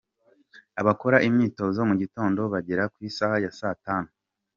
Abakora imyitozo mu gitondo bagera ku isaha ya saa tanu.